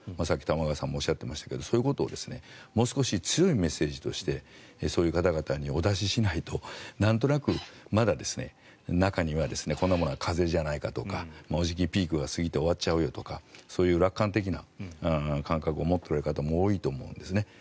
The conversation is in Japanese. さっき玉川さんもおっしゃっていましたがそういうことをもっと強いメッセージとしてそういう方々にお出ししないとなんとなくまだ中には、こんなものは風邪じゃないかとかもうじきピークが来て終わっちゃうよとかそういう楽観的な感覚を持っておられる方も多いと思うんですね。